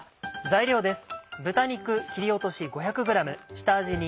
材料です。